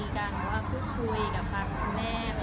เขารู้ว่าเราเป็นไงแล้วก็ได้มี